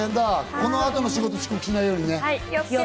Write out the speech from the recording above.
この後の仕事、遅刻しないようにね。